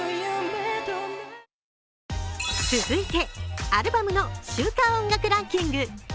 続いて、アルバムの「週間音楽ランキング」。